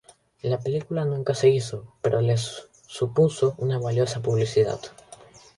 La película nunca se hizo, pero les supuso una valiosa publicidad.